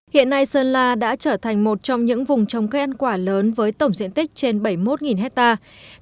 hiện nay sơn la đã trở thành một trong những vùng trồng cây ăn quả lớn với tổng diện tích trên bảy mươi một hectare